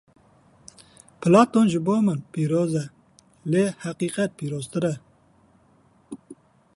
Platon ji bo min pîroz e, lê heqîqet pîroztir e.